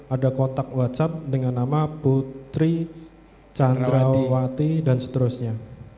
ada kontak whatsapp dengan nama putri candrawati dan seterusnya